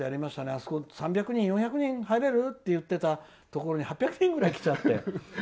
あそこ３００人、４００人入れる？っていわれてたところに８００人ぐらい来ちゃって。